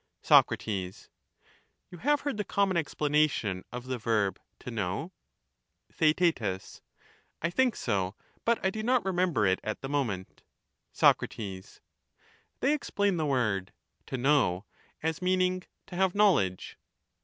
Sac, You have heard the common explanation of the verb ' to know '? TheaeL I think so, but I do not remember it at the moment. Sac, They explain the word 'to know' as meaning 'to have knowledge.